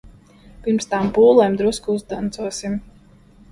Pirms tām pūlēm drusku uzdancosim.